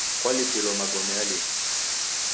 Kwalipilo magome alinga?